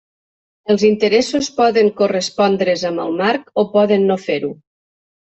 Els interessos poden correspondre's amb el marc o poden no fer-ho.